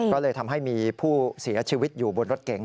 ก็เลยทำให้มีผู้เสียชีวิตอยู่บนรถเก๋ง